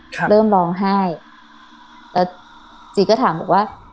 เริ่มร้องไห้แล้วจีก็ถามบอกว่า